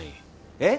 えっ！？